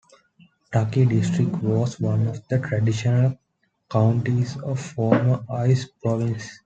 Taki District was one of the traditional counties of former Ise Province.